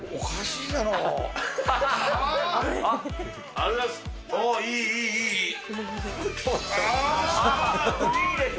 いいですね。